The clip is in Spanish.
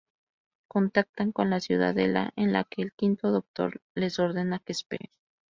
Contactan con la Ciudadela, en la que el Quinto Doctor les ordena que esperen.